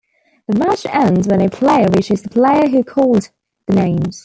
The match ends when a player reaches the player who called the names.